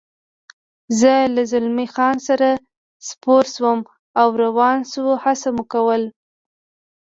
زه له زلمی خان سره سپور شوم او روان شو، هڅه مو کول.